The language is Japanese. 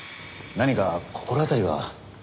何か心当たりは？